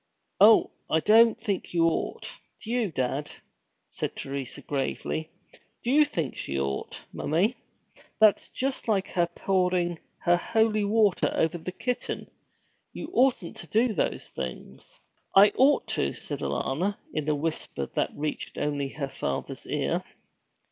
'Oh, I don't think you ought, do you, dad?' said Teresa gravely. 'Do you think she ought, mommie? That's just like her pouring her holy water over the kitten. You oughtn't to do those things.' 'I ought to,' said Alanna, in a whisper that reached only her father's ear.